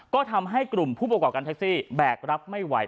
ก็ทำให้กลุ่มผู้ประกอบการแท็กซี่แบกรับไม่ไหว